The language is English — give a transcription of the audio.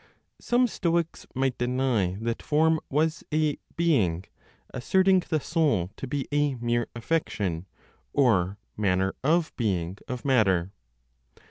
Some Stoics might deny that form was a "being," asserting the soul to be a mere affection (or, manner of being) of matter.